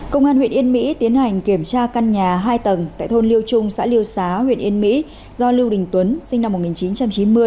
công an huyện yên mỹ tiến hành kiểm tra căn nhà hai tầng tại thôn liêu trung xã liêu xá huyện yên mỹ do lưu đình tuấn sinh năm một nghìn chín trăm chín mươi